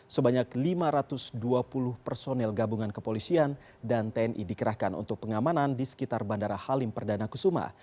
sebanyak lima ratus dua puluh personel gabungan kepolisian dan tni dikerahkan untuk pengamanan di sekitar bandara halim perdana kusuma